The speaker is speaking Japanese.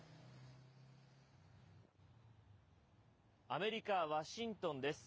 アメリカ・ワシントンです。